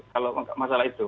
kalau masalah itu